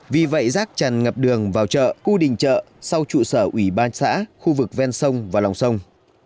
vì vậy rác tràn ngập đường vào chợ khu đình chợ sau trụ sở ủy ban xã khu vực ven sông và lòng sông